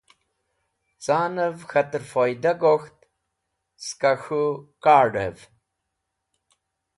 Ca’nev k̃hater foyda gok̃ht, skẽ k̃hũ kard̃ev.